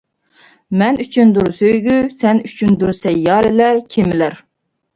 مەن ئۈچۈندۇر سۆيگۈ، سەن ئۈچۈندۇر سەييارىلەر، كېمىلەر.